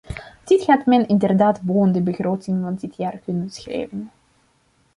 Dit had men inderdaad boven de begroting van dit jaar kunnen schrijven.